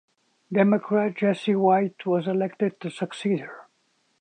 Democrat Jesse White was elected to succeed her.